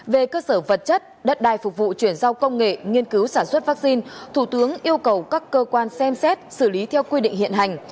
về cơ sở vật chất đất đai phục vụ chuyển giao công nghệ nghiên cứu sản xuất vaccine thủ tướng yêu cầu các cơ quan xem xét xử lý theo quy định hiện hành